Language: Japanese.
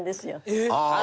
えっ！？